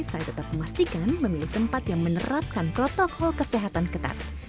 saya tetap memastikan memilih tempat yang menerapkan protokol kesehatan ketat